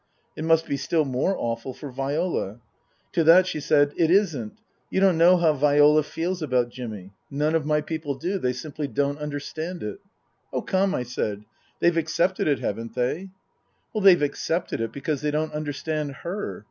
" It must be still more awful for Viola." To that she said, " It isn't. You don't know how Viola feels about Jimmy. None of my people do. They simply don't understand it." " Oh, come," I said, " they've accepted it, haven't they ?"" They've accepted it because they don't understand her.